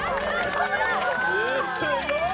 すごい！